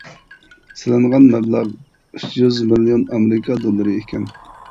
سېلىنغان مەبلەغ ئۈچ يۈز مىليون ئامېرىكا دوللىرى ئىكەن.